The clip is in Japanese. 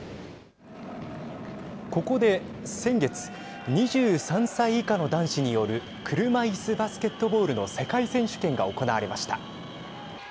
ここで先月２３歳以下の男子による車いすバスケットボールの世界選手権が行われました。